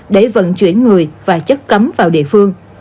để vận chuyển người và chất cấm vào địa phương